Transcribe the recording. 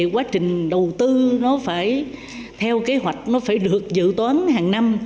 quá trình đầu tư nó phải theo kế hoạch nó phải được dự toán hàng năm